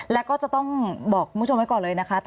แล้วก็จะต้องบอกคุณผู้ชมไว้ก่อนเลยนะคะ